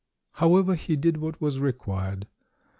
However, he did what was required.